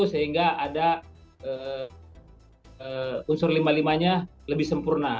sehingga ada unsur lima puluh lima nya lebih sempurna